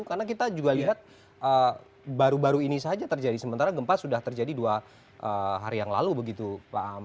karena kita juga lihat baru baru ini saja terjadi sementara gempa sudah terjadi dua hari yang lalu begitu pak am